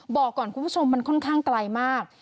บอกก่อนคุณผู้ชมมันค่อนข้างไกลมาก